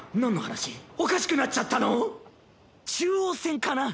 中央線かな。